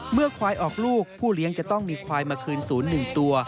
เมื่อควายออกลูกผู้เลี้ยงจะต้องมีควายมาคืนศูนย์๑ตัว